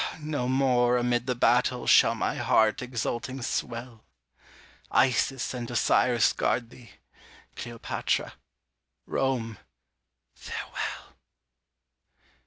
no more amid the battle Shall my heart exulting swell; Isis and Osiris guard thee! Cleopatra Rome farewell!